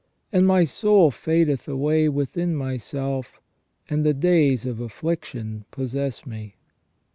And my soul fadeth away within myself, and the days of affliction possess me."